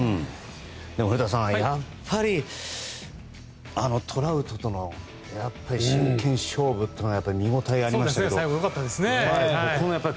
古田さん、やっぱりトラウトとの真剣勝負は見応えがありましたね。